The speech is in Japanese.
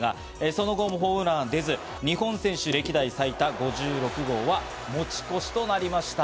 その後もホームランは出ず、日本人選手歴代最多５６号は、持ち越しとなりました。